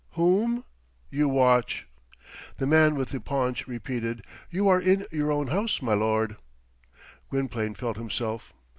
Whom? You watch. The man with the paunch repeated, "You are in your own house, my lord." Gwynplaine felt himself.